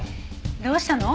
どうしたの？